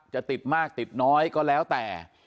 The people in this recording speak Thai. จะติดมากติดน้อยก็แล้วแต่